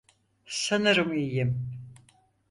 Sanırım iyiyim.